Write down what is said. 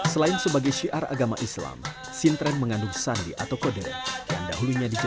selain sebagai siar agama islam sintren mengandung sandi atau kodere